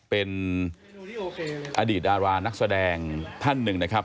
เป็นอดีตอารานกแสดงท่านหนึ่ง